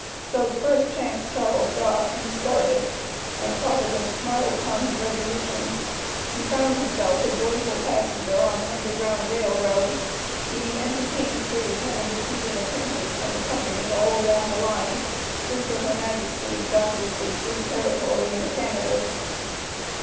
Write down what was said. So the first chance Charles got, he started, and Providence smiled upon his resolution; he found himself a joyful passenger on the Underground Rail Road, being entertained free, and receiving attentions from the Company all along the line through to her British Majesty's boundlessly free territory in the Canadas.